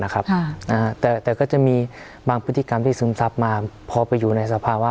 นะครับอ่าแต่แต่ก็จะมีบางพฤติกรรมที่ซึมซับมาพอไปอยู่ในสภาวะ